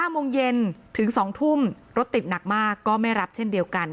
โมงเย็นถึง๒ทุ่มรถติดหนักมากก็ไม่รับเช่นเดียวกัน